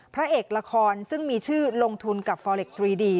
พระเอกละครซึ่งมีชื่อลงทุนกับฟอเล็กซรีดี